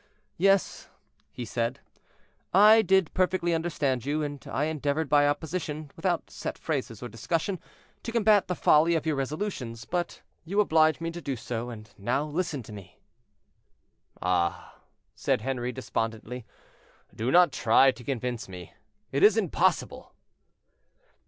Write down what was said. "Yes," he said, "I did perfectly understand you; and I endeavored by opposition, without set phrases or discussion, to combat the folly of your resolutions, but you oblige me to do so; and now listen to me." "Ah!" said Henri, despondently, "do not try to convince me; it is impossible."